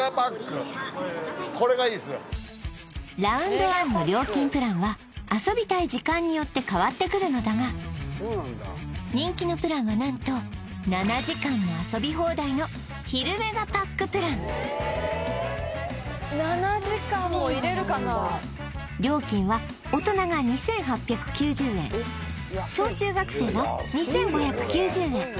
これがラウンドワンの料金プランは遊びたい時間によって変わってくるのだが人気のプランは何と７時間も遊び放題の昼ＭＥＧＡパックプラン料金は大人が２８９０円小中学生は２５９０円